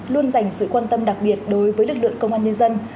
luôn dành sự quan tâm đặc biệt đối với lực lượng công an nhân dân